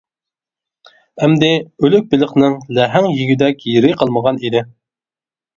ئەمدى ئۆلۈك بېلىقنىڭ لەھەڭ يېگۈدەك يېرى قالمىغان ئىدى.